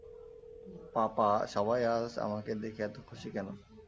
পাপা, সবাই আজ আমাকে দেখে এতো খুশি কেন?